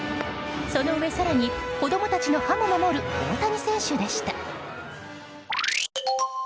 そのうえ更に子供たちの歯も守る選手でした。